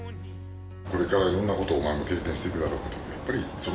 これからいろんなことをお前も経験して行くだろうけどやっぱり。